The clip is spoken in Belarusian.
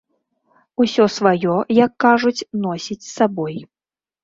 Усё сваё, як кажуць, носіць з сабой.